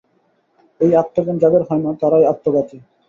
এই আত্মজ্ঞান যাদের হয় না, তারাই আত্মঘাতী।